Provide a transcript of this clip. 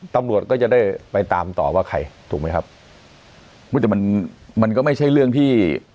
ตำรวจก็จะได้ไปตามต่อว่าใครถูกไหมครับอุ้ยแต่มันมันก็ไม่ใช่เรื่องที่